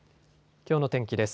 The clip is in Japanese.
きょうの天気です。